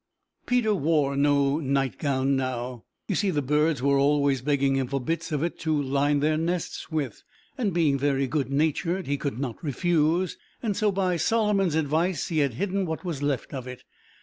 Peter wore no night gown now. You see, the birds were always begging him for bits of it to line their nests with, and, being very good natured, he could not refuse, so by Solomon's advice he had hidden what was left of it.